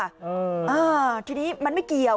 อ่าทีนี้มันไม่เกี่ยว